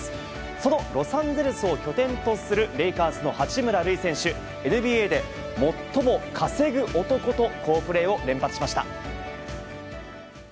そのロサンゼルスを拠点とするレイカーズの八村塁選手はＮＢＡで最も稼ぐ男と好プレーを連発しました。